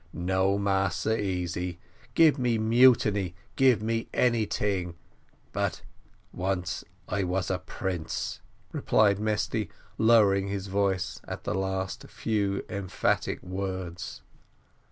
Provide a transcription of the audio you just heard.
No, Massa Easy, gib me mutiny gib me anyting but once I was prince," replied Mesty, lowering his voice at the last few emphatic words.